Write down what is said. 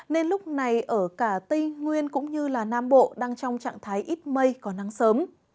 nên lúc này ở cả tây nguyên cũng như nam bộ đang trong trạng thái ít mây có nắng sớm